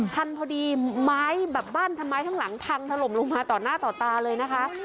ทันพอดีไม้แบบบ้านทำไมทั้งหลังพังถล่มลงมาต่อหน้าต่อตาเลยนะคะ